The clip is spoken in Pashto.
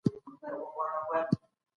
دا هغه لاره ده چي بریالیتوب ته ځي.